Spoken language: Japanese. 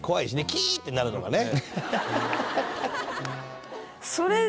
キーッ！ってなるのがね。